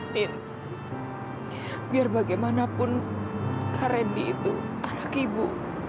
nen biar bagaimanapun kak randy itu anak ibu